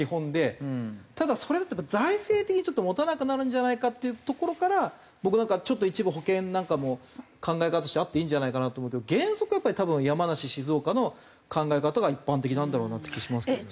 ただそれだと財政的にちょっと持たなくなるんじゃないかっていうところから僕なんかはちょっと一部保険なんかも考え方としてあっていいんじゃないかなと思うけど原則はやっぱり多分山梨静岡の考え方が一般的なんだろうなって気がしますけどね。